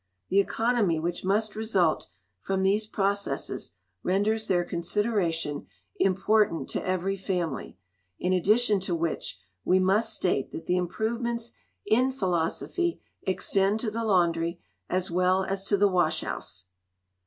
The economy which must result from these processes renders their consideration important to every family, in addition to which, we must state that the improvements in philosophy extend to the laundry as well as to the wash house.